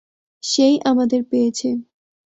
সেই আমাদের পেয়েছে।